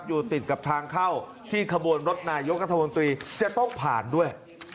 เกิดเหตุนะครับอยู่ติดกับทางเข้าที่ขบวนรถนายยกรรธมนตรีจะต้องผ่านด้วย